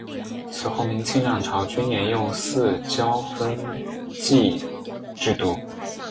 此后明清两朝均沿用四郊分祀制度。